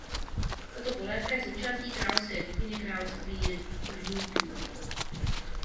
Tato polévka je součástí královské kuchyně království Rjúkjú.